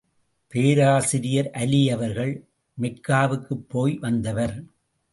பேராசிரியர் அலி அவர்கள், மெக்காவுக்குப் போய் வந்தவர்.